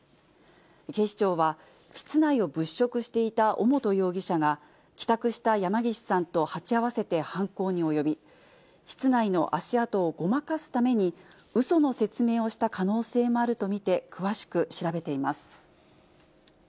警視庁は、室内を物色していた尾本容疑者が、帰宅した山岸さんと鉢合わせて犯行に及び、室内の足跡をごまかすために、うその説明をした可能性もあると見て、詳しく調べています。